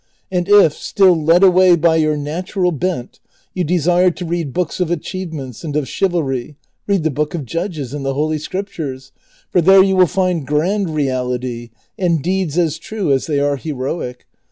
And if, still led away by your natural bent, yoii desire to read books of achievements and of chivalry, read the Book of Judges in the Holy Scriptures, for there you will find grand reality, and deeds as true as they are heroic.